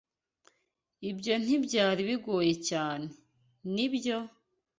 Ibyo ntibyari bigoye cyane, nibyo?